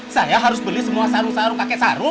saya harus beli semua sarung sarung pakai sarung